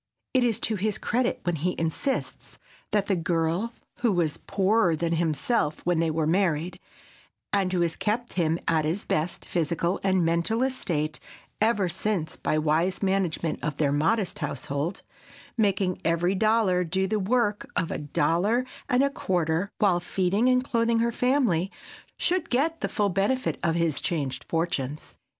It is to his credit when he insists that the girl who was poorer than himself when they were married, and who has kept him at his best physical and mental estate ever since by wise management of their modest household—making every dollar do the work of a dollar and a quarter while feeding and clothing her family—should get the full benefit of his changed fortunes.